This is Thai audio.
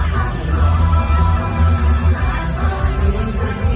ได้ยังใช่ไหม